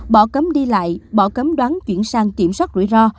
bỏ cấm đi lại bỏ cấm đoán chuyển sang kiểm soát rủi ro